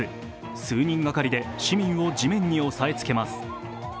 数人がかりで市民を地面に押さえつけます。